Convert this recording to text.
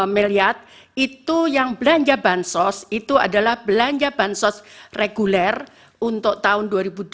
melihat itu yang belanja bantuan sosial itu adalah belanja bantuan sosial reguler untuk tahun dua ribu dua puluh tiga